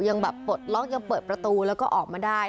ยังแบบปลดล็อกยังเปิดประตูแล้วก็ออกมาได้